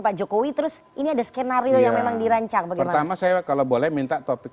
pak jokowi terus ini ada skenario yang memang dirancang pertama saya kalau boleh minta topik